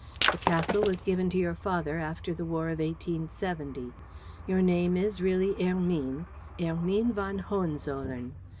The castle was given to your father after the war of 1870. Your name is really Hermine: Hermine von Hohenzollern.